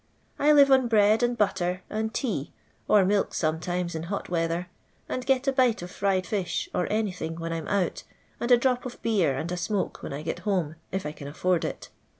I live on bread and butter and tea, or milk aometimes in hot weather, and get a bite <tf fried fish or anything when I *m out, and a drop of beer and a smoke when I get home, if I can afford it.